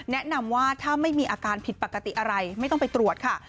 แนะนำว่าถ้าไม่มีอาการผิดปกติอะไรไม่ต้องไปตรวจค่ะ